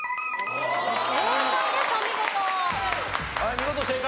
見事正解。